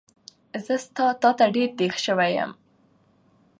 زه ستا تاته ډېر دیغ شوی یم